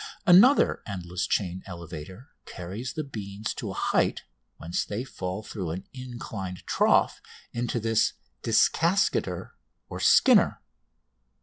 Another endless chain elevator carries the beans to a height, whence they fall through an inclined trough into this descascador or "skinner."